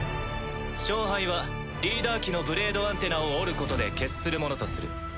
勝敗はリーダー機のブレードアンテナを折ることで決するものとする。